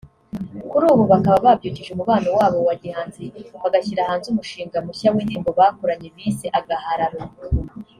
Kuri ubu bakaba babyukije umubano wabo wa gihanzi bagashyira hanze umushinga mushya w’indirimbo bakoranye bise 'Agahararo'